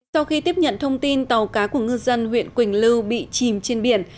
sau khi tiếp nhận thông tin tàu cá của ngư dân huyện quỳnh lưu bị chìm trên biển